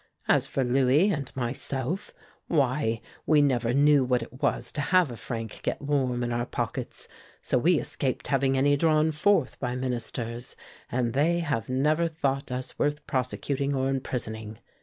As for Louis and myself, why, we never knew what it was to have a franc get warm in our pockets, so we escaped having any drawn forth by Ministers, and they have never thought us worth prosecuting or imprisoning.